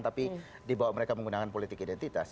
tapi dibawa mereka menggunakan politik identitas